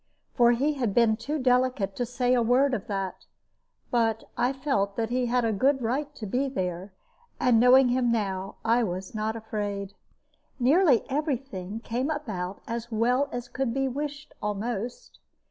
For he had been too delicate to say a word of that; but I felt that he had a good right to be there, and, knowing him now, I was not afraid. Nearly every thing came about as well as could be wished almost.